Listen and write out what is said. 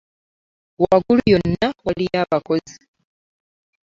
Waggulu yonna waliyo abakozi.